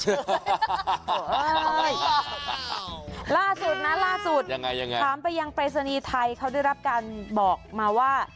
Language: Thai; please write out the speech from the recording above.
ล่าสุดนะล่าสุดถามไปยังปริศนีย์ไทยเขาได้รับการบอกมาว่า